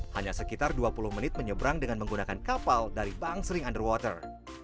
hanya sekitar dua puluh menit menyeberang dengan menggunakan kapal dari bang sling underwater